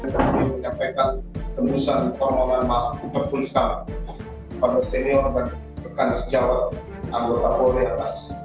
kami menyampaikan keputusan koronawan malam keputusan pada senior dan pekan sejauh anggota polis atas